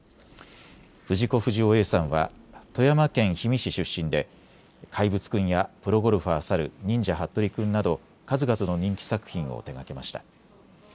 藤子不二雄Ａさんは富山県氷見市出身で怪物くんやプロゴルファー猿、忍者ハットリくんなど数々の人気作品を手がけました。